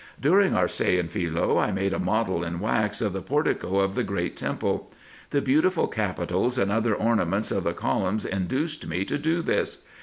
During our stay in Philce I made a model in wax of the portico of the great temple. The beautiful capitals and other ornaments of the columns induced me to do this.